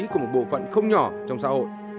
của một bộ phận không nhỏ trong xã hội